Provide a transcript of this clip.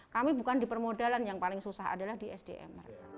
kami bukan di permodalan yang paling susah adalah di sdm